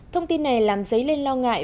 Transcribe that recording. thông tin này làm dấy lên lo ngại